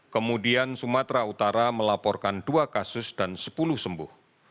kemudian sumatera utara melaporkan dua kasus dan sepuluh sembuh